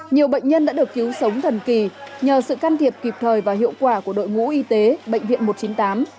nhiều bệnh nhân đã được cứu sống thần kỳ nhờ sự can thiệp kịp thời và hiệu quả của đội ngũ y tế bệnh viện một trăm chín mươi tám